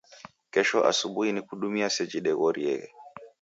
Kesho asubuhi nikudumia seji deghorieghe